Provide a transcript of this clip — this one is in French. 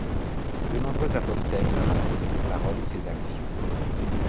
De nombreux apophtegmes rapportent ses paroles ou ses actions.